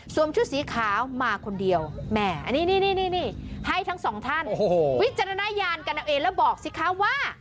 ชุดสีขาวมาคนเดียวแม่อันนี้ให้ทั้งสองท่านวิจารณญาณกันเอาเองแล้วบอกสิคะว่า